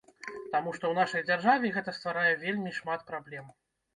Таму што ў нашай дзяржаве гэта стварае вельмі шмат праблем.